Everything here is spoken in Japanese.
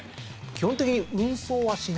基本的に。